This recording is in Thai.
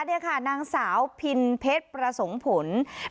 นี่ค่ะนางสาวพินเพชรประสงค์ผล